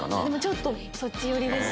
ちょっとそっち寄りです。